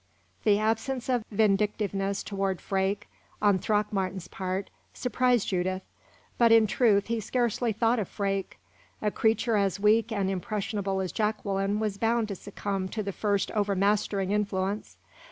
The absence of vindictiveness toward Freke, on Throckmorton's part, surprised Judith; but, in truth, he scarcely thought of Freke: a creature as weak and impressionable as Jacqueline was bound to succumb to the first overmastering influence.